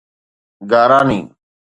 گاراني